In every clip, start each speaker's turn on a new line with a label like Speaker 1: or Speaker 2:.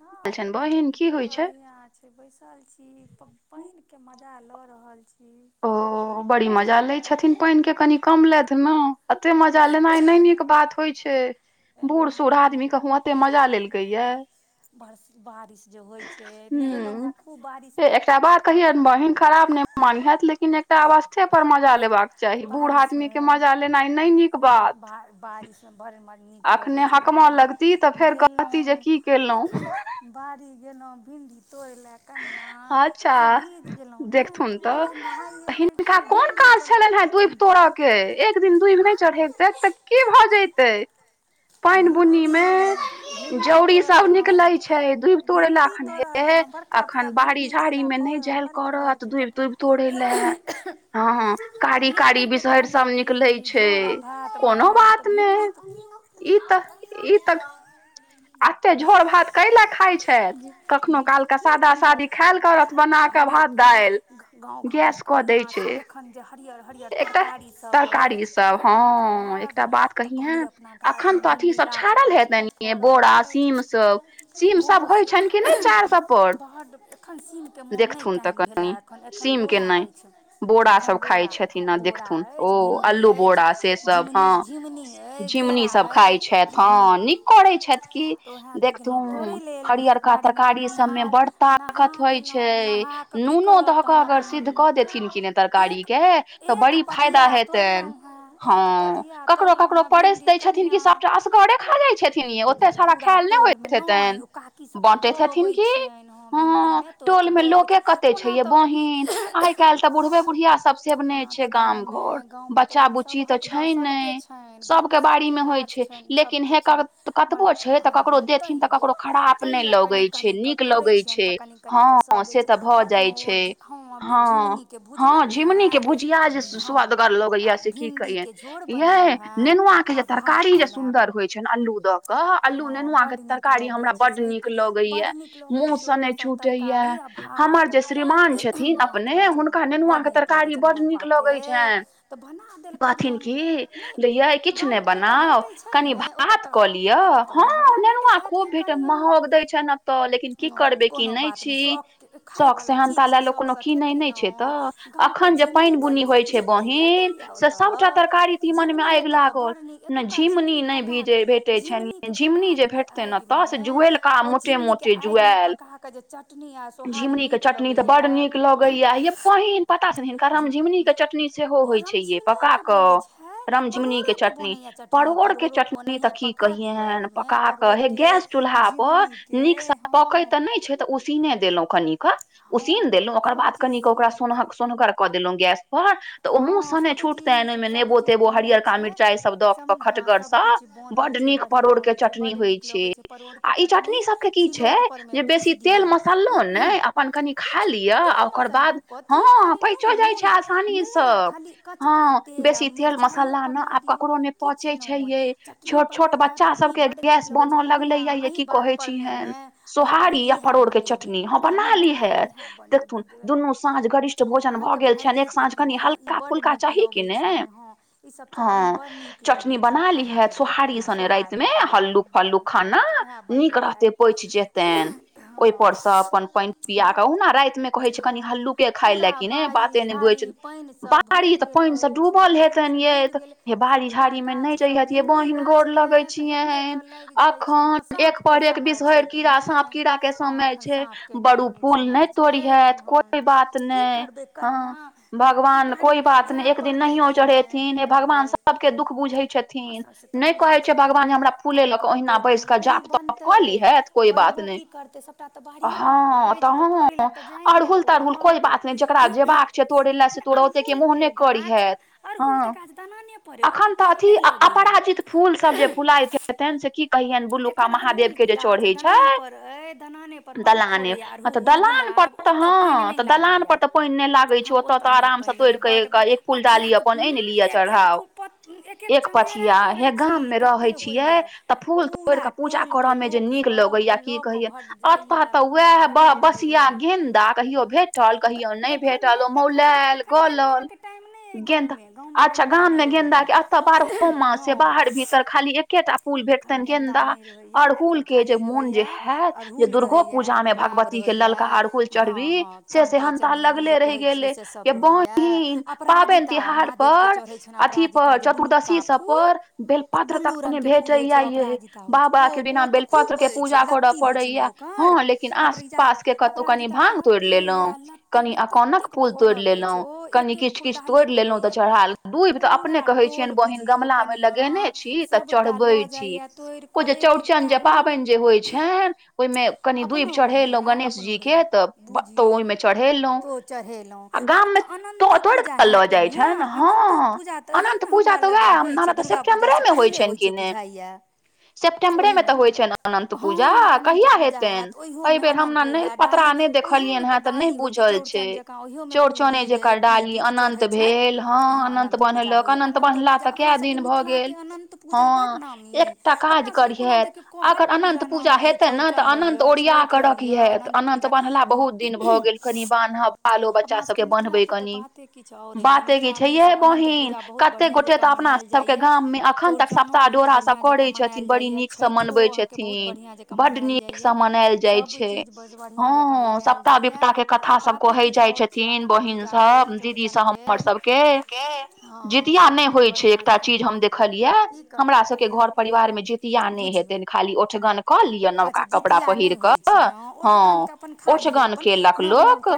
Speaker 1: हां, बढ़ियाँ से बैसल छी, पपईन के मजा लऽ रहल छी
Speaker 2: ओ, बड़ी मजा लै छथिन पाइन के कनि कम लेथ न एते मजा लेनाइ नै नीक बात होइ छै बूढ़ सूढ़ आदमीे कहु एते मजा लेल कै या
Speaker 1: बरस बारिश जे होइत छै, नहेलहुँ हेँ खूब बारिश मे
Speaker 2: कहीयन बहिन खराब नै मानी हयथ लेकिन एक त, अवस्थे पर मजा लेबाक चाही बूढ़ आदमी के मजा लेनाई नै नीक बात
Speaker 1: बाह बारिश भरे मर नीक लगै छै, नहाय मे गेलौ बाड़ी गेलौ भिन्डी तोड़ि लएक कनिआँ से भीज गेलौ ने, तऽ कहलियै नहाइ लै छी
Speaker 2: कोन काज छलै हेँ दूईभ तोड़ के, एक दिन दूईभ नाय चढ़ैबतैथ तऽ की भऽ जतै पानि बुनी मे जौड़ी सब निकलै छै दूईभ तोय लाखन हेे--हे अखन बाड़ी झाड़ी मे नै जाएल कड़त, दूईब तूईब तोड़े लए हँ, हँ कारी कारी बिषहरि सब निकलै छै कोनो बात नए ई त, ई त एते झोर भात कै ल खाय छैथ कखनो काल सादा सादी खायल करथ बना क भात दालि गैस कऽ दै छै
Speaker 1: एखन जे हरियर, हरियर तरकारी सब, अईछ तऽ कहलीए वएह न खायब तऽ कहलियै अपना आज भिण्डी गाछ अछि, खूब फोरल अछि, बुरो स बड एखन सीन के मोन नै टाइम भेलए एखन, एखन बोरा अछि
Speaker 2: बोरा सब खाइ छथि इना देखथुन, ओ अल्लू बोरा से सब हँ जी झीमनी सब खाय छैथ हँ निक करै छथ की देखथुन हरिहर का तरकारी सब मे बड़ ताकत होइ छै, नूनो ध क सिद्ध कऽ देथिन कि ने तरकारी के तऽ बड़ी फायदा हेतैन हँ, ककरो ककरो परैस दै छथिन कि सभटा असगरे खा जाइ छथिन यै ओते सारा खायल नै होइत हेतानि बाँटैत हेथिन की, हँ, टोल मे लोके कते छै यै बहिन आइ काएल तऽ बुढ़बे बुढ़िया सब सेबने
Speaker 1: तऽ गाँवमे गाँवमे तऽ ओना सभक बात सबके छनि गाँवमे सब
Speaker 2: मे होइ छै लेकिन हे कतबो छै तऽ ककरो देथिन तऽ ककरो खराप नै लगै छै
Speaker 1: कनी क तोरे छीयन, त कनी कनी क सह दै छै, अपनो ओ त हँ झिमनी के बुझलौं
Speaker 2: [unintelligible]
Speaker 1: हाँ
Speaker 2: जे सुवदगर लगैया से की कहियैन यई नेनुवा जे तरकारी जे सुन्दर होइ छनि अल्लू दऽ क अल्लू नेनुआ के तरकारी हमरा बड्ड नीक लगैया मुँह स नै छुटैया हमर जे श्रीमान छथिन अपने हुनका नेनुआके तर कारी बड नीक लगै छैन कहथिन की [unintelligible] किछु नै बनाउ कनि भात कऽ लिय हँ नेनुआ खूब भेटत महग दै छ न तऽ लेकिन की करबै की नै छी शौक सेहेनता लए लोक कोनो की नै नै छै तऽ
Speaker 1: गाँवके झिम
Speaker 2: पानि बुनी होय छै बहिन से सबटा तरकारी तीमन मे आएग लागल- - नै झिमनी नै भिजै भेटै छैन झिमनी जे भेटतै न
Speaker 1: मे आ ओ झिंमनी के आग मे पका क जे चटनी आ सोहारी नीक
Speaker 2: चटनी तऽ बड नीक लगैया यै बहिन पता छै हिन रम झिमनी के चटनी सेहो होइ छै यै पका कऽ रम झिमनी के चटनी परोड़ के चटनी तऽ की कहिन पकाक हे गैस चूल्हा पर- नीकसँ पकै तऽ नै छै उसीने देलौ कनीक उसीन देलौ ओकर बाद कनीक सोन सोनकर क कऽ देलौ गैसपर तऽ ओ मूँहसँ नै छूटतनि ओहिमे नेबो तेबो हरियरका मिर्चाइसब दऽ कऽ खटगरसँ
Speaker 1: बन छै बढ़िया होइ छै बड नीक लगै छै परोड़ के चटनी सिलौट पर मे पीस
Speaker 2: तेल मसलो नै अपन कनि खा लिअ आ ओकर बाद हँ पैचो जाय छै आ [unintelligible] हँ बेसी तेल मसाला न आब ककरो नै पचै छै यै
Speaker 1: चटनी परोरके रोटी बड नीक लगै छै कनिआ एहि बातपर मे ने
Speaker 2: सोहारी या परोड़ के चटनी हँ बना ली हेैथ देखथुन दुनू साँझ गरिष्ठ भोजन भऽ गेल छैन एक साँझ कनी हल्का फुल्का चाही कीने हँ चटनी बना लीहैथ सोनारी स भने राति मे हल्लुक फल्लूक खाना नीक रहतै पैच जेतनि ओहि पर स अपन पानि पिया क ओहुना राति मे कहे छै कनि हल्लू के खाय लए कि ह बात एने ब [unintelligible]
Speaker 1: पानिसँ भरि गेल अछि पानिसँ डूबि गेल सबटा गाछ
Speaker 2: रहिहैथ यै बहिन गोर लगै छियैन अखन एक पर एक बिषहरि कीड़ा साप कीड़ा के समय छै बड़ू फूल नै तोड़ हैत कोइ बात नै
Speaker 1: कनियाँ
Speaker 2: भगवान कोइ बात नै एक दिन नहियो चढ़ेथिन हे भगवान सबके दुःख बुझै छथिन
Speaker 1: तऽ बुझै छथिन मर करबो की की बनतै बनबो की करतै सब सबटा तऽ बारिये मे ने अछि तऽ तोड़ै लेए तऽ जाए नै पड़त
Speaker 2: ओकरा जेबाक छै तोड़ा से
Speaker 1: अड़हुलके गाछ अड़हुलके गाछ दालाने पड़ अई ओतऽ पानि नै लगैया
Speaker 2: ईक फूल सब जे फुलाय छै [unintelligible] से की कहियनि बुलुका महादेव के जे चढ़ै छैन
Speaker 1: अए दबाने
Speaker 2: दलाने ह तऽ दलान पर त हँ तऽ दलान पर तऽ पानि नै लागै छै ओतऽ तऽ आराम स तोड़ क एक फूल डाली अपन आनि लिअ अपन चढ़ाव एक पछिया हे गाम मे रहै छियै तऽ फूल तोड़ क पूजा करऽ मे जे नीक लगैया की कहीयैन अता तऽ वएह ब बसि सिया गेन्दा कहियो भेटल कहियो नै भेटल ओ मौलाल गलल गेंदा अच्छा गाम मे गेन्दा के ऽ बारहो मा से बाहर भीतर खाली एकेटा फूल भेटतनि गेन्दा अड़हुल के जे मोन जे हयत जे दुर्गो पूजा मे भगवती के ललका अड़हुल चढ़बी से सेहेन तहन लगले रहि गेले यै बहिन पाबैन तिहार पर अथी पर चतुर्दशी सब पर बेलपत्र तऽ कने भे टै यऽ यै बाबा केँ बिना बेलपत्र केँ पूजा करऽ परैय यऽ हँ ले किन आस - पास केँ कतहुँ कनि भांग तोड़ि लेलहुँ। कनि अकानक फूल तोइर लेलहुँ कनि किछ - किछ तोइर लेलहुँ तऽ चरहा दुईभ तऽ अपने कहे छियैन बहिन गमला मे लगेने छी तऽ च ढबै छी ओ जे चौरचन जे पाबैन जे होइ छैन ओहिमे कनी दुईभ चढ़ेलहुं गणेश जी केँ तऽ तो ओहिमे चढ़ेलहुं।
Speaker 1: तो चढ़ेलहुँ आब तऽ अनन्तो पूजा हैत कनियाँ अनन्तो पूजा तहमे हमरा लगेय होइ छै दुर्गा पूजासँ पहिले होइ छै बुझाइए।
Speaker 2: सेप्टम्बरे मे तऽ होइ छै नऽ अनन्त पूजा कहिया हे तैन एहि बेर हमरा नय पतरा नय देखलियैन हेँ। तऽ नय बुझल छै चौड़चने जेका डाली अनन्त भेल हँ अनन्त
Speaker 1: अनन्त पुजा होइय अनन्तो पुजा अपना सबके मिथिला केँ अनन्त पूजा बड्ड नामि
Speaker 2: एकटा काज करिहेत अगर अनन्त पूजा हेते नऽ तऽ अनन्त ओरिया कर रखिहैत अनन्त बतहला बहुत दिन भऽ गेल कनि बान्हब बालो बच्चा सबके बन्हबे कनि बाते की छै येे बहिन कते गोटे तऽ अपना सब केँ गाम मे अखन तक सप्ताह डोरा सभ करैत छथिन बड़ी नीक सँ मनबै छै।
Speaker 1: केँ बहुत बढ़िया जकाँ मनायल जाय
Speaker 2: [unintelligible] मनायल जाइ छै हँ सप ता बिपता केँ कथा सब कहे जाय छथिन बहिन सब दीदी सब हमर सब केँ जितिया नय होइ छै एकटा चीज हम देखलियै हमरा सबके घर परिवार मे जित या नय हेतैन खाली ओठगन। कऽ लिअ नबका कपड़ा पहिर कऽ हँ ओठगन केलक लोक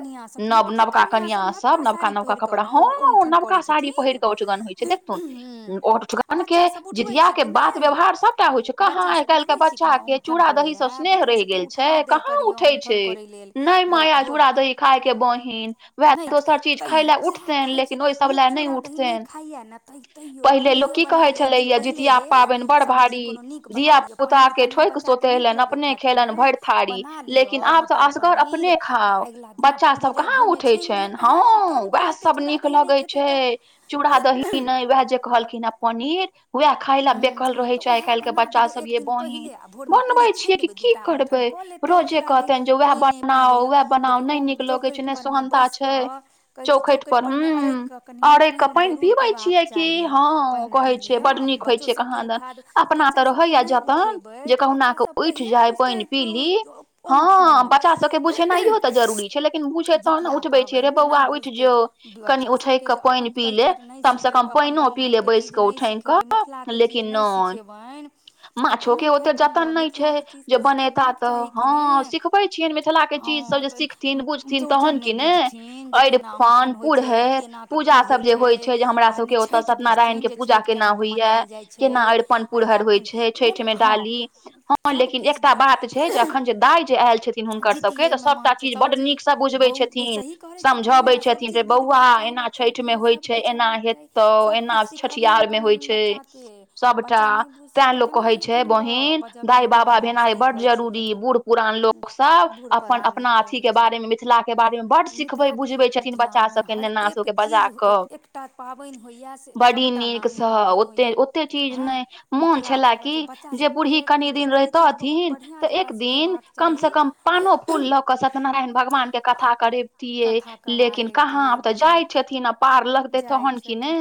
Speaker 2: नब नबका कनिया सब नबका नबका कपड़ा हँ नबका साड़ी पहिर कऽ औठगन होइ छै देखथुन औठगन केँ जितिया केँ बात व्यवहार सबटा होइ छै कहाँ आइ काल्हि केँ बच्चा केँ चूड़ा दही से स्नेह रहि गेल छै कहाँ उठे छै
Speaker 1: लेल
Speaker 2: नय माया चूड़ा दही खाय केँ बहिन वैह दोसर चीज खाय लऽ उठतेैन ले
Speaker 1: लोग चूड़ा दही नय खाइ यऽ नऽ तऽ - तैयो पूरीेये बना ली एक दिन पहिलेहे
Speaker 2: पाबैन बड़ भारी धिया - पुता केँ ठोइक सोतेलैन अपने खेलैन भइर थारी लेकिन आब तऽ अस गर अपने खाउ बच्चा सब कहाँ उठै छैन हँ वैह सब नीक लगै छै। चूड़ा दही नय वैह जे कहलखिन हऽ पनीर वैह खाय लऽ बेकल रहै छै आइ काल्हि केँ बच्चा सब यै बहिन बनबे छियै कि की करबै। रोज कहतैन जे वैह बना
Speaker 1: पी लेलक देखियौ अंग चौकैठ पर मे बैस कऽ कहै छै चौकैठ पर मे अरैक कऽ
Speaker 2: अरैक कऽ पाइन पीबै छियै की हँ कहे छियै बड्ड नीक होय छैन कहाँ दन अपना तऽ रहैय जतन जे कहुना कऽ उठि जाइ पाइन पी ली हँ बच्चा सबकेँ बुझनाइयो तऽ जरूरी छै लेकिन बुझे तहन नऽ उठबै छियै रे बौआ उइठ जो कनि उठैक कऽ पाइन पी ले कम से कम पाइनो पी ले बैस कऽ उठैंग कऽ
Speaker 1: मिथिला केँ चीज नय सिखेबैन
Speaker 2: माछो केँ ओते जतन नय छै जे बनेता तऽ हँ सिखबै छियैन मिथिला के चीज सब जे सिखथिन बुझथिन तहन की ने अरिपन पुरहैर पूजा सब जे होय छै जे हमरा सब के ओते सत्य नारायण के पूजा केनााम होइय कैना अरिपन पुरहर होइ छै छठ मे डाली ह लेकिन ऐ एकटा बात छैय जै अखन जै दाइ जै आयल छैय।
Speaker 1: जीतिएमे महाँ छै सबचीज बोल बै सही करै छै कनिआँ सबचीज बोझबाक चाही बात बच्चाके सबकिछु हेबाक चाही सबकिछु सिखबियौ ने कनि बच्चाके।
Speaker 2: सभटा तैय लोक कहै छैय बहिन दाइ बाबा भेनाइ बड जरूरी बूढ़ पुरान लोक सब।
Speaker 1: ज छै। मिथिला कै मिथिलामे हर एक चिज। एकटा पाबैन होइए से सभटा नामी पाबैन होइए हँ।
Speaker 2: मोन छैला। कि जे बूढ़ी कनि दिन रहितेथिन तऽ एक दिन कम से कम। पानो फूल लऽ क सत्यनारायण भगवान के कथा करेवति यै लेकिन कहाँ आब तऽ जाय छथिन। पारलगतै तहन कि नै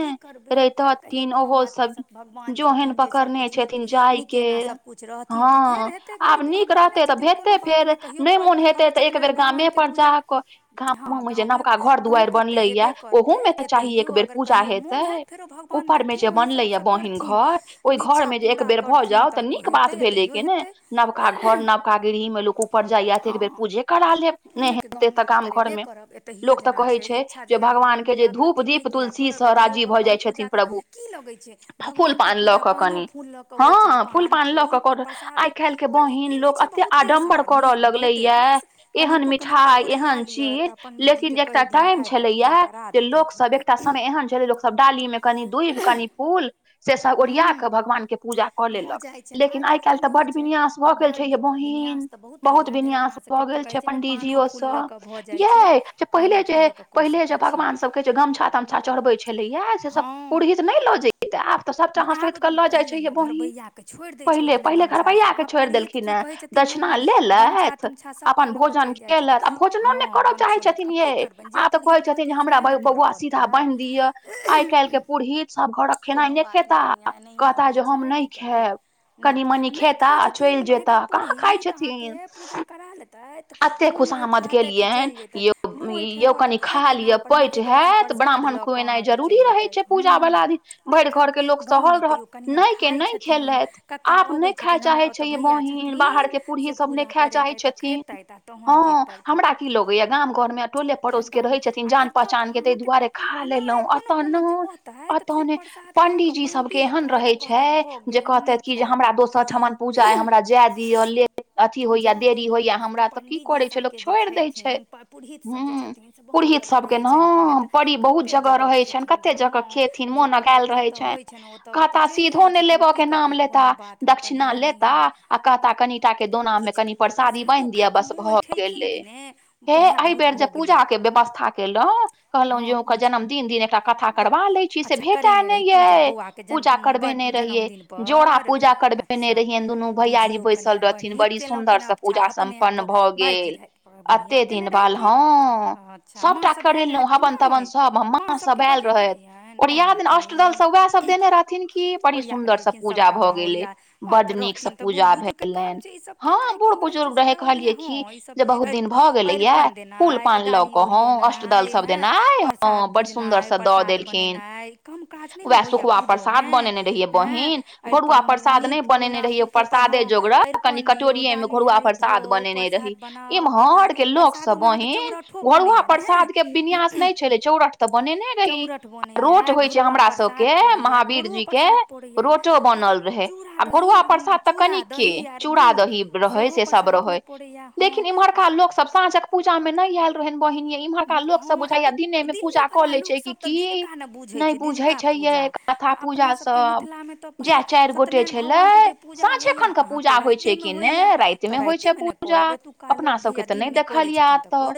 Speaker 2: रहितथिन ओहो सब जोहेन पकड़ने।
Speaker 1: नीक नीक नीकेना सबकिछु रहथिन तऽ फेर हेतै कोइ तऽ भगवाने छथिन। कोनो बात नहि कहियो।
Speaker 2: मोन हेते तऽ एक बेेर गामे पर जाक गामो मे जै नबका घर दुआर बनले या।
Speaker 1: करतै तहिओ अगर कहियो मोन हैत फेरो भगवान देथिन। ओहि हिसाबसँ करथिन।
Speaker 2: ओइ घर में जे एक बेर भऽ जाओ तऽ नीक बात भेले। कै नै नवका घर नवका गृह मे लोग। ऊपर जाइया तऽ एक बेर पूजे करा लेब नहि हेते तऽ गाम घर मे लोक तऽ कहै छै।
Speaker 1: जहिया भगवान पूरा कर थिन न किएक करब एतहियओ भगवान पूजा करब की लगै छै।
Speaker 2: फूल पान लऽ कऽ कनि हँ फूल पान लऽ कऽ कर आइ काल्हि के बहिन लोक एते आ। [inaudible] करय लगलैए यै एहन मिठाइ एहन चीज लेकिन एकटा टाइम छलैए यै। जे लोक सब एकटा समय एहन छल यै। लोक सब डाली में कनि दूइभ कनि फूल। से सब ओरिया कऽ भगवान के पूजा। कऽ लेलक लेकिन आइ काल्हि तऽ बड्ड विन्यास भऽ गेल छै। य बहिन। बहुत विन्यास भऽ गेल छैय पंडीजियो स। यै जे पहिले जे। पहिले जे भगवान सब कै। गमछा तमछा चढ़बे छले। या से सब पुरहित न नहि ल जैत ई त आब तऽ सभटा हाँ सोति कऽ लऽ जाइ छै। ये बहिन पहिले पहिले घरबैय के छोड़ि देलखिन हे।
Speaker 1: तीनो
Speaker 2: अपना लेलथ अपन भोजन केलैथ आ भोजनो नहि करऽ चाहै छथिन य। आ तऽ कहे छथिन जे हमरा बौआ सीधा बान्हि दिय आइ कालहं के पुरहित सब घरक खेनाइ नहि खे। कहता जे हम नहि खैयब। कनी मनी खेता आ चेल जेताह कहाँ खाय छथिन।
Speaker 1: के पूजा करा लेता यथ
Speaker 2: अते खुशामद केलियनि यौ यौ कनि खा लिय कनी पैठ हयत ब्राह्मण। कोनाइ जरूरी रहे छै। पूजा बला दिन भरि घर के लोग।
Speaker 1: गाँवमे तैयो कनिआ खाइ छथिन कक्का अबै छथिन। हमरा ओतऽ भैया छथिन।
Speaker 2: बाहर के पूरही सब नै खाय चाहै छथिन।
Speaker 1: ता [inaudible]
Speaker 2: हँ हमरा की लगैया गाम घर में टोले पड़ोस के रहे छथिन। जान पहचान के ताहि दुआरे खा लेलहुँ एत ने अत ने पंडीजी ई सब के एहन रहे छै जे कहतेथ कि जे हमरा दोसर ठमन पूजा य हमरा जाय दिय ले। अथी होइया देरी होइए। हमरा।
Speaker 1: पण्डीजी सभके जे छेथिन। पर पुरहित सभ जे छथिन। से बहुत जगह रहै छैन नै।
Speaker 2: परी बहुत जगह रहे छेन न कते जगह खेथिन मोन अघायल रहे छैन न।
Speaker 1: ओतऽ ओतऽ चलि जाय छथिन। की करबे कोनो बात ने कनिया एना
Speaker 2: आ कहता कनिटा के दोना मे कनि परसादी बान्हि दिअ। बस भऽ गेले हे एहि बेर जे पूजा के व्यवस्था केलौ कहलौ जे ओकर जनम दिन दिन एकटा कथा करबा लै छी। से भेटाय नै यै पूजा करबेने रहियै। जोड़ा पूजा करबेने रहियै दुनू भैयारी बैसल रहथिन। बड़ी सुंदर स पूजा सम पन्न भऽ गेल। एते दिन बाल हँ सबटा करेलौ हवन तवन सब हम मा सब आएल रहैत। ओरीया दिन अष्टदल सब वएह सब देने रहथिन कि बड़ी सुन्दर से पूजा भऽ गेलै बड नीकसँ पूजा भेलनि
Speaker 1: केनाइ की है छै सबटा [unintelligible] अरिपन देनाइ डाली ओरिएनाइ हँ पर प्रसाद भुजनाइ परसाद बनेनाय कम काज नै
Speaker 2: वएह सुखुवा प्रसाद बनेने रहियै। बहिन घोरुआ प्रसाद नै बनेने रहिये। परसादे जोगर कनी कटोरीये मे घोरुआ पर प्रसाद बनेने रही इमहर के लोक सब बहिन घरूआ प्रसाद के विन्यास नै छलै चौरठ तऽ बनेने रही आ रोट होइ छै हमरा रा स के महावीर जी के रोटो बनल रहै आ घोरुआ प्रसाद त कनिके चूड़ा दही रहै से
Speaker 1: परसादमे पड़ैए हँ आ
Speaker 2: लोक सब साँझक पूजा मे नै आयल रहैन बहिन यै इम्हरका लोक सब बुझाइया दिने मे पूजा कऽ लै छै कि की नै बुझै छै यै
Speaker 1: आ अपना सब के मिथला मे त भैया सत्नारायण भगवान के जे पूजा होईया आहाँ राति
Speaker 2: छै कि ने राति मे होइ छै पूजा अपना सबके तऽ नै देखलिया अतऽ